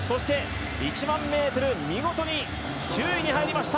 １００００ｍ見事に９位に入りました。